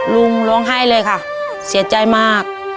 ลุงร้องไห้เลยค่ะเสียใจมาก